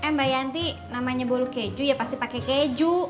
eh mbak yanti namanya bolu keju ya pasti pakai keju